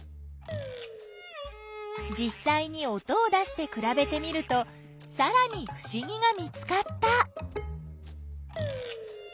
じっさいに音を出してくらべてみるとさらにふしぎが見つかった！